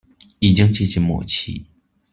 已经接近末期